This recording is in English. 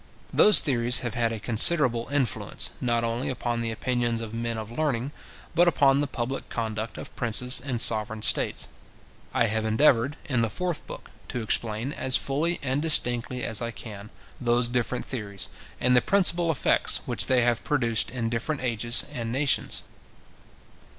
Those theories have had a considerable influence, not only upon the opinions of men of learning, but upon the public conduct of princes and sovereign states. I have endeavoured, in the fourth book, to explain as fully and distinctly as I can those different theories, and the principal effects which they have produced in different ages and nations.